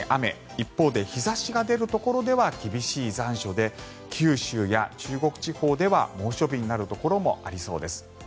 一方で日差しが出るところでは厳しい残暑で九州や中国地方では猛暑日になるところもありそうです。